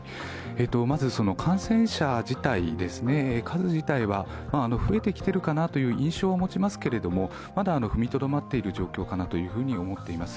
まず感染者自体、数自体は増えてきてるかなという印象は持ちますけどまだ踏みとどまっている状況かなと思っています。